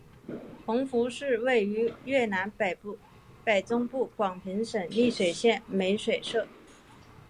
弘福寺位于越南北中部广平省丽水县美水社。